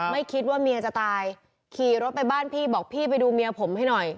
ไม่คิดว่าเมียจะตายขี่รถไปบ้านพี่บอกพี่ไปดูเมียผมให้หน่อย